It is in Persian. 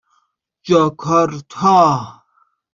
جاکارتا